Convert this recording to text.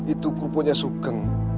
itu kerupuknya sugong